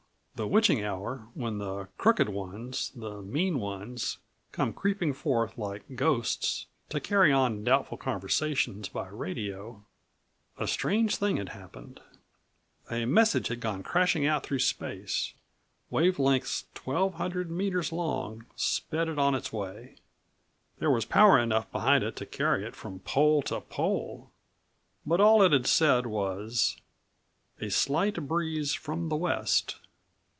the witching hour when the crooked ones, the mean ones, come creeping forth like ghosts to carry on doubtful conversations by radio, a strange thing had happened.12 A message had gone crashing out through space. Wave lengths 1200 meters long sped it on its way. There was power enough behind it to carry it from pole to pole, but all it had said was: "A slight breeze from the west."